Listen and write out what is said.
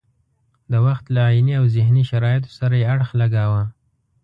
د وخت له عیني او ذهني شرایطو سره یې اړخ لګاوه.